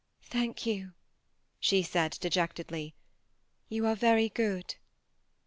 Thank you," she said, dejectedly ;^ you are very good."